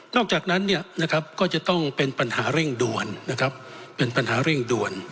นอกจากนั้นเนี่ยนะครับก็จะต้องเป็นปัญหาเร่งด่วนนะครับเป็นปัญหาเร่งด่วน